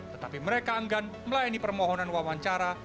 tetapi mereka enggan melayani permohonan wawancara